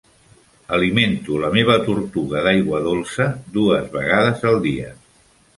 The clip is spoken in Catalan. Alimento la meva tortuga d'aigua dolça dues vegades al dia.